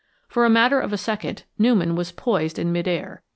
For the matter of a second, Newman was poised in midair.